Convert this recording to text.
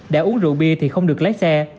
để uống rượu bia thì không được lái xe